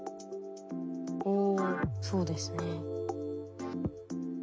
おそうですね。